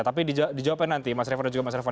tapi dijawabkan nanti mas reva dan juga mas reva